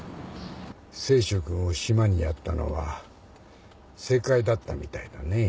清舟君を島にやったのは正解だったみたいだねぇ。